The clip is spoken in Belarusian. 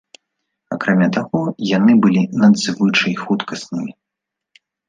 Акрамя таго, яны былі надзвычай хуткаснымі.